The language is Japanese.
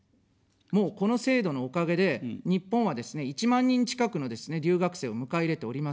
もう、この制度のおかげで、日本はですね、１万人近くのですね、留学生を迎え入れております。